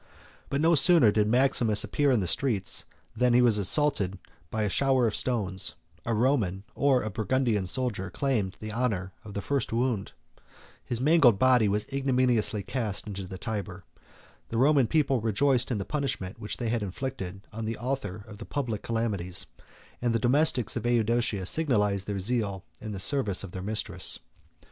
But no sooner did Maximus appear in the streets, than he was assaulted by a shower of stones; a Roman, or a Burgundian soldier, claimed the honor of the first wound; his mangled body was ignominiously cast into the Tyber; the Roman people rejoiced in the punishment which they had inflicted on the author of the public calamities; and the domestics of Eudoxia signalized their zeal in the service of their mistress.